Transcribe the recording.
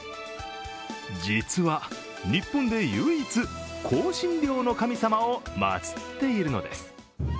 実は日本で唯一、香辛料の神様を祭っているのです。